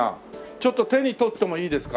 ちょっと手に取ってもいいですか？